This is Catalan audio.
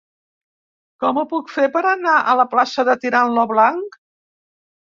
Com ho puc fer per anar a la plaça de Tirant lo Blanc?